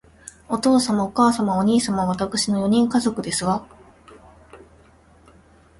お父様、お母様、お兄様、わたくしの四人家族ですわ